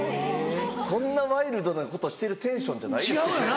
そんなワイルドなことしてるテンションじゃないですけどね。